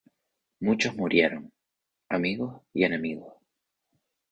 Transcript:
Muchos murieron, amigos y enemigos.